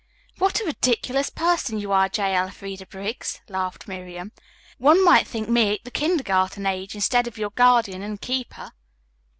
"What a ridiculous person you are, J. Elfreda Briggs," laughed Miriam. "One might think me at the kindergarten age, instead of your guardian and keeper."